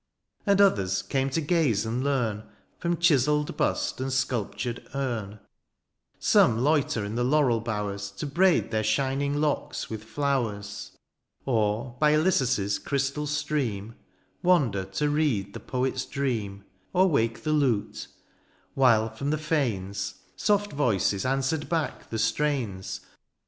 And others came to gaze and leam^ From chiselled bust and sculptured urn ; Some loiter in the laurel bowers^ To braid their shining locks with flowers ; Or by lUissus' crystal stream^ Wander to read the poet^s dream ; Or wake the lute ; while firom the fenes Soft voices answered back the strains.